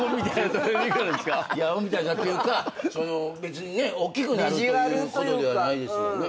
アホみたいなっていうか別におっきくなるということではないですよね。